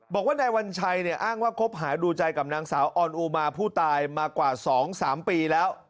บอกว่านายวัญชัยเนี่ยอ้างว่าคบหาดูใจกับนางสาวออนอูมาผู้ตายมากว่า๒๓ปีแล้ว